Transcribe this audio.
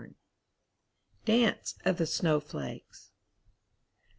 DANCE OF THE SNOWFLAKES.